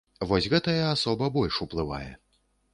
Вось гэтая асоба больш уплывае.